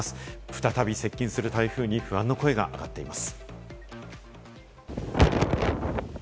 再び接近する台風に不安の声があがっています。